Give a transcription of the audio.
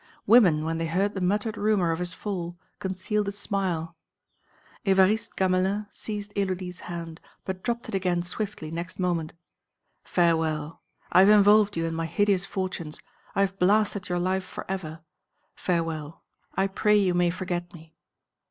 Women, when they heard the muttered rumour of his fall, concealed a smile. Évariste Gamelin seized Élodie's hand, but dropped it again swiftly next moment: "Farewell! I have involved you in my hideous fortunes, I have blasted your life for ever. Farewell! I pray you may forget me!"